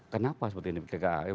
kenapa seperti ini pt ka